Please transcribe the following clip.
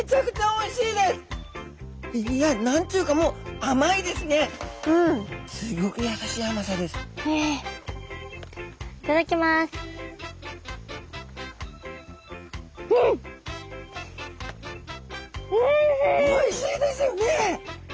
おいしいですよね！